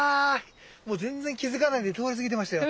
もう全然気付かないで通り過ぎてましたよ。